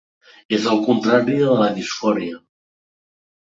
És el contrari de la disfòria.